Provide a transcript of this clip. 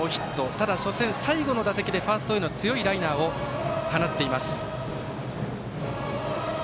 ただ、初戦最後の打席でファーストへの強いライナーを放っています。